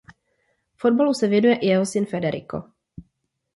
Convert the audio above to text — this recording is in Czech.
Fotbalu se věnuje i jeho syn Federico.